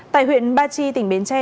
tại huyện ba chi tỉnh bến tre